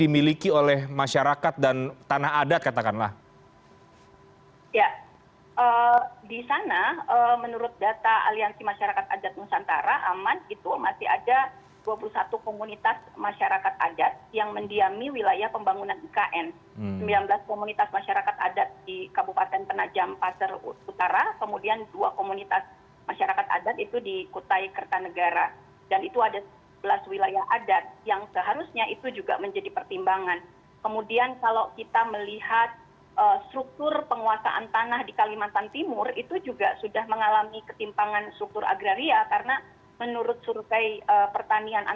pembaruan agraria pembaruan agraria pembaruan agraria